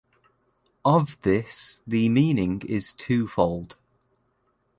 Of this the meaning is twofold.